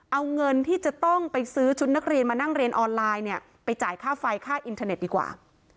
เอาเงินที่จะต้องไปซื้อชุดนักเรียนมานั่งเรียนออนไลน์เนี่ยไปจ่ายค่าไฟค่าอินเทอร์เน็ตดีกว่า